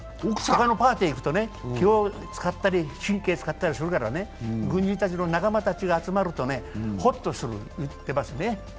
他のパーティー行くと、気を使ったり、神経使ったりするからね、軍人たちの仲間たちが集まるとね、ホッとすると言ってますね。